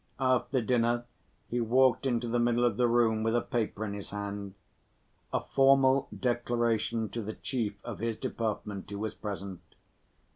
After dinner he walked into the middle of the room, with a paper in his hand—a formal declaration to the chief of his department who was present.